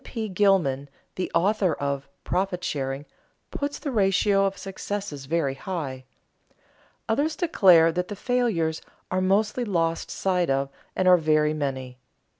P. Gilman, the author of "Profit Sharing," puts the ratio of successes very high. Others declare that the failures are mostly lost sight of and are very many.